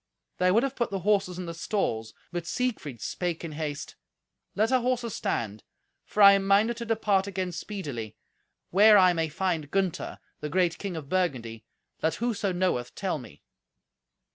They would have put the horses in the stalls, but Siegfried spake in haste, "Let our horses stand, for I am minded to depart again speedily. Where I may find Gunther, the great king of Burgundy, let whoso knoweth tell me."